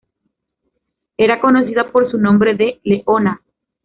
Era conocida por su nombre de "leona".